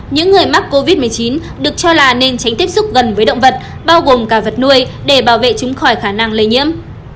những người mắc covid một mươi chín được cho là nên tránh tiếp xúc gần với động vật bao gồm cả vật nuôi để bảo vệ chúng khỏi khả năng lây nhiễm